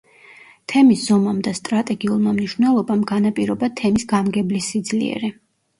თემის ზომამ და სტრატეგიულმა მნიშვნელობამ, განაპირობა თემის გამგებლის სიძლიერე.